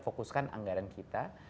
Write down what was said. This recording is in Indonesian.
fokuskan anggaran kita